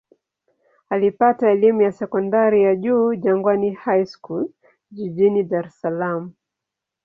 Alipata elimu ya sekondari ya juu Jangwani High School jijini Dar es Salaam.